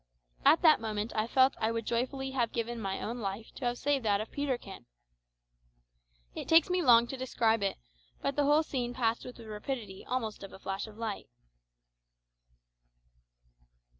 At that moment I felt I would joyfully have given my own life to have saved that of Peterkin. It takes me long to describe it, but the whole scene passed with the rapidity almost of a flash of light.